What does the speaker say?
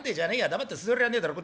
黙って座りはねえだろう。